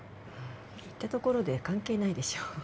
言ったところで関係ないでしょ